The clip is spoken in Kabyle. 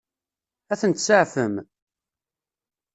Ad ten-tseɛfem?